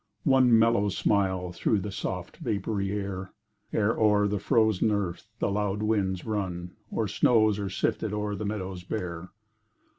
One mellow smile through the soft vapoury air, Ere, o'er the frozen earth, the loud winds run, Or snows are sifted o'er the meadows bare.